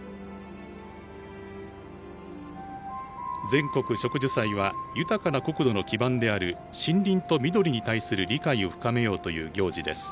全国植樹祭は豊かな国土の基盤である森林と緑に対する理解を深めようという行事です。